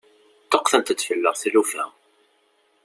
Ṭṭuqqtent-d fell-aɣ tlufa.